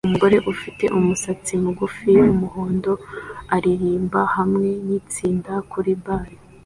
Umugore ufite umusatsi mugufi wumuhondo aririmba hamwe nitsinda kuri bar